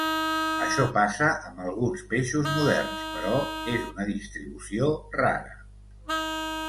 Això passa amb alguns peixos moderns però és una distribució rara.